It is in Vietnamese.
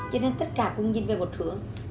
cho nên tất cả cũng nhìn về một hướng